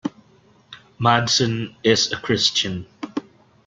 Madson is a Christian.